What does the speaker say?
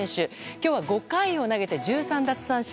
今日は５回を投げて１３奪三振。